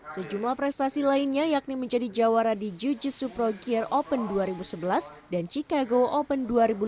sejumlah prestasi lainnya yakni menjadi jawara di juji supro gear open dua ribu sebelas dan chicago open dua ribu delapan belas